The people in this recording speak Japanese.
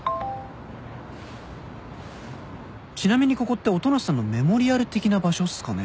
「ちなみにここって音無さんのメモリアル的な場所っすかね？」